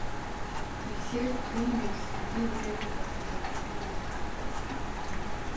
Тэгэхлээр түүний мэдэлд хэдий хэмжээний цаг хугацаа үлдсэнийг мэдэх аргагүй.